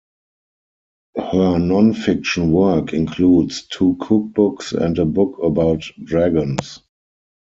Her nonfiction work includes two cookbooks and a book about dragons.